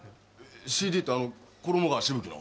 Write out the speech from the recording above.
ＣＤってあの衣川しぶきの？